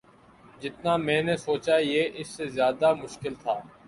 جتنا میں نے سوچا یہ اس سے زیادہ مشکل تھا